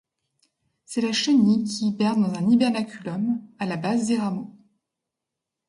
C'est la chenille qui hiverne dans un hibernaculum à la base des rameaux.